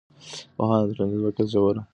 پوهانو د ټولنیز واقعیت ژوره څېړنه وکړه.